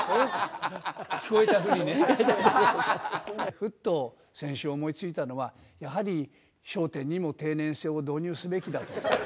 ふっと先週、思いついたのは、やはり笑点にも定年制を導入すべきだと。